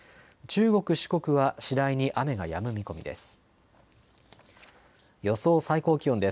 中国、四国は次第に雨がやむ見込みです。